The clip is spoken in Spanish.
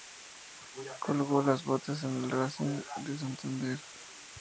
Colgó las botas en el Racing de Santander.